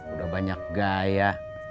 udah banyak gaya